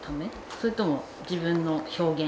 それとも自分の表現？